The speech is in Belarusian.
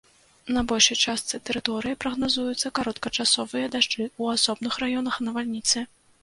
На большай частцы тэрыторыі прагназуюцца кароткачасовыя дажджы, у асобных раёнах навальніцы.